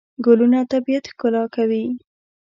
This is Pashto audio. ګلونه طبیعت ښکلا کوي.